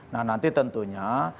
nah nanti tentunya